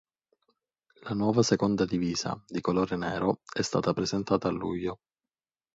La nuova seconda divisa, di colore nero, è stata presentata a luglio.